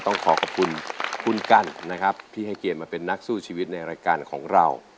ต้องขอขอบคุณคุณกันนะครับที่ให้เกียรติมาเป็นนักสู้ชีวิตในรายการของเรา